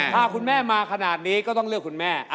ถ้าคุณแม่มาขนาดนี้ก็ต้องเลือกคุณแม่